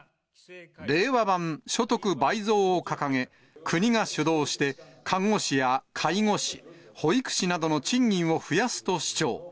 令和版所得倍増を掲げ、国が主導して、看護師や介護士、保育士などの賃金を増やすと主張。